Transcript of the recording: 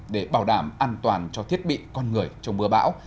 để bảo đảm an toàn cho thiết bị con người trong mưa bão